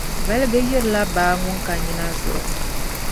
Valiga yirila baa ŋun ka nyina zuɣu.